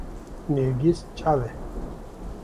nêrgîz çav e